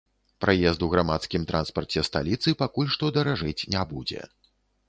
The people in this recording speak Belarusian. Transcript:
Праезд у грамадскім транспарце сталіцы пакуль што даражэць не будзе.